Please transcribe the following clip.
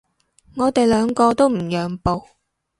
我哋兩個都唔讓步